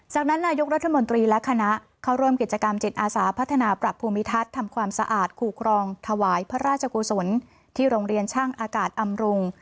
จากนั้นนายกรัฐมนตรีและคณะเข้าร่วมกิจกรรมจิตอาสาพัฒนาปรับภูมิทัศน์ทำความสะอาดคู่ครองถวายพระราชกุศลที่โรงเรียนช่างอากาศอำรุง